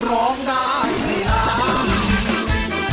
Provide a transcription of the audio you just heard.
ร้องได้ให้ล้าน